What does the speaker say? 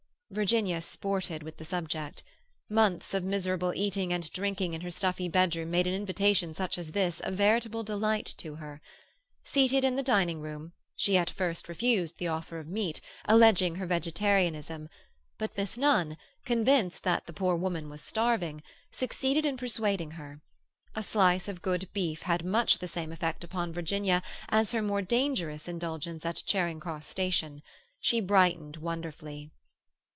Virginia sported with the subject. Months of miserable eating and drinking in her stuffy bedroom made an invitation such as this a veritable delight to her. Seated in the dining room, she at first refused the offer of meat, alleging her vegetarianism; but Miss Nunn, convinced that the poor woman was starving, succeeded in persuading her. A slice of good beef had much the same effect upon Virginia as her more dangerous indulgence at Charing Cross Station. She brightened wonderfully.